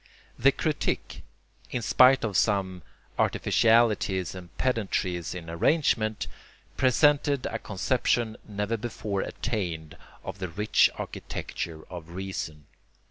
] The Critique, in spite of some artificialities and pedantries in arrangement, presented a conception never before attained of the rich architecture of reason.